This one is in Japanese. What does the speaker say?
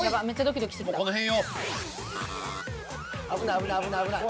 危ない危ない危ない。